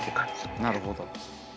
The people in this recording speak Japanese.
なるほど。